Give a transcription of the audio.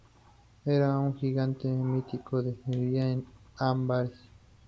Era un gigante mítico que vivía en Amberes.